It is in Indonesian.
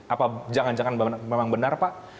apa jangan jangan memang benar pak